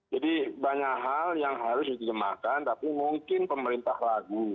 jadi banyak hal yang harus disemakan tapi mungkin pemerintah ragu